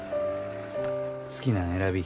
好きなん選び。